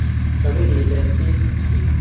Ko bir ilet ketit